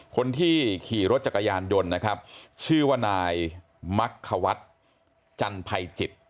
คนที่ขี่รถจักรยานยนต์นะครับชื่อว่านายมักควัฒน์จันภัยจิต